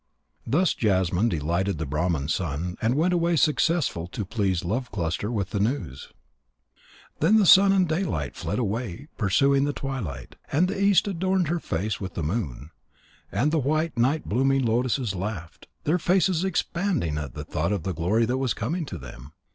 Thus Jasmine delighted the Brahman's son, and went away successful to please Love cluster with the news. Then the sun and the daylight fled away, pursuing the twilight. And the East adorned her face with the moon. And the white night blooming lotuses laughed, their faces expanding at the thought of the glory that was coming to them.